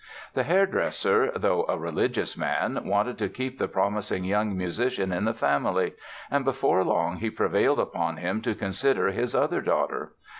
The hair dresser, though a religious man, wanted to keep the promising young musician in the family, and before long he prevailed upon him to consider his other daughter.